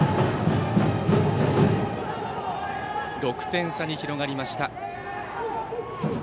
６点差に広がりました。